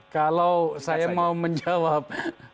kalau saya mau menjawab